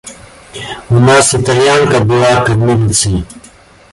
У нас Итальянка была кормилицей.